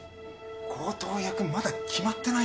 強盗役まだ決まってないの？